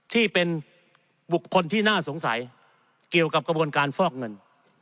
ที่เป็นบุคคลที่น่าสงสัยเกี่ยวกับกระบวนการฟอกเงิน